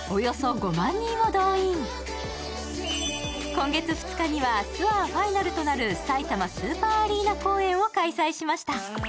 今月２日にはツアーファイナルとなるさいたまスーパーアリーナ公演を開催しました。